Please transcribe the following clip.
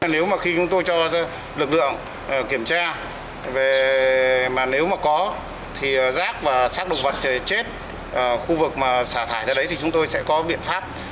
nếu mà khi chúng tôi cho lực lượng kiểm tra mà nếu mà có thì rác và xác động vật chết khu vực mà xả thải ra đấy thì chúng tôi sẽ có biện pháp